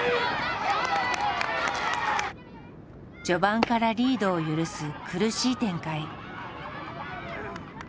序盤からリードを許す苦しい展開。